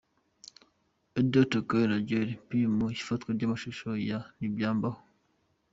Aidan Tkay na Deejay Pius mu ifatwa ry'amashusho ya ' Ntibyambaho'.